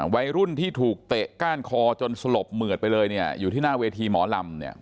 วัยรุ่นที่ถูกเตะก้านคอจนสลบเหมือดไปเลยเนี่ยอยู่ที่หน้าเวทีหมอลำเนี่ย